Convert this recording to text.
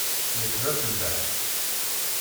Nekk d afellaḥ.